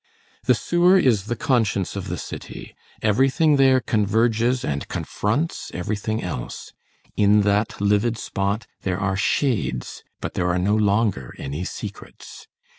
The sewer is the conscience of the city. Everything there converges and confronts everything else. In that livid spot there are shades, but there are no longer any secrets.